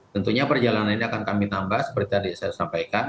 tentunya perjalanan ini akan kami tambah seperti tadi saya sampaikan